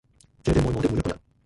謝謝愛我的每一個人